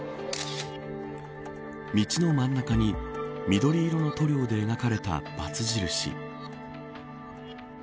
道の真ん中に緑色の塗料で描かれたばつ印。